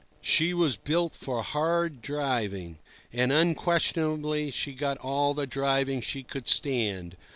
She was built for hard driving, and unquestionably she got all the driving she could stand.